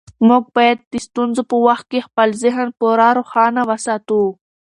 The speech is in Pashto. موږ باید د ستونزو په وخت کې خپل ذهن پوره روښانه وساتو.